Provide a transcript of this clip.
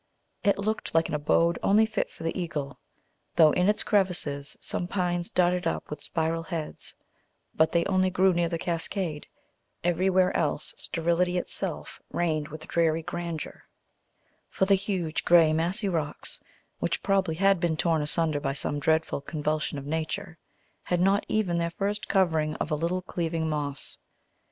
It looked like an abode only fit for the eagle, though in its crevices some pines darted up their spiral heads; but they only grew near the cascade, everywhere else sterility itself reigned with dreary grandeur; for the huge grey massy rocks, which probably had been torn asunder by some dreadful convulsion of nature, had not even their first covering of a little cleaving moss.